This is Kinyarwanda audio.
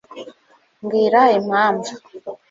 mbwira impamvu